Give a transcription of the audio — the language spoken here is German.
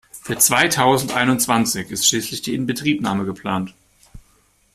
Für zweitausendeinundzwanzig ist schließlich die Inbetriebnahme geplant.